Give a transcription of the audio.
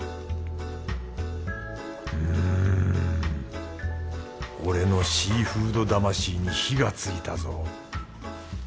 うん俺のシーフード魂に火がついたぞ